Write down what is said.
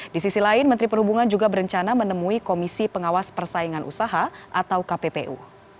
di sisi lain menteri perhubungan juga berencana menemui komisi pengawas persaingan usaha atau kppu